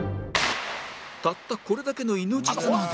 たったこれだけの命綱で